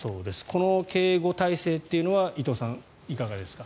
この警護体制というのは伊藤さん、いかがですか？